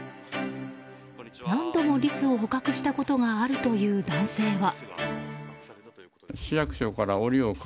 何度もリスを捕獲したことがあるという男性は。